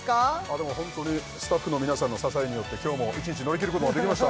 でもホントにスタッフの皆さんの支えによって今日も１日乗り切ることができました